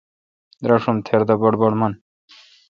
دراشوم تِر دہ بڑبڑ من۔